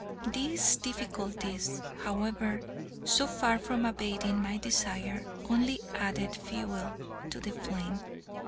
These difficulties, however, so far from abating my desire, only added fuel to the flame.